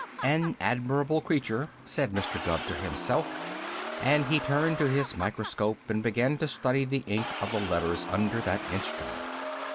"An admirable creature," said Mr. Gubb to himself, and he turned to his microscope and began to study the ink of the letters under that instrument.